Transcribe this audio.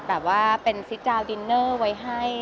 อย่างเป็นซิตตาวดินเนอร์ไว้ให้